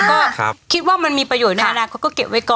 ก็คิดว่ามันมีประโยชน์ในอนาคตก็เก็บไว้ก่อน